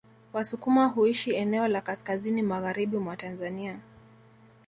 Wasukuma huishi eneo la kaskazini magharibi mwa Tanzania